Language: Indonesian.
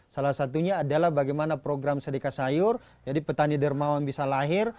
salah satunya adalah bagaimana program sedekah sayur jadi petani dermawan bisa lahir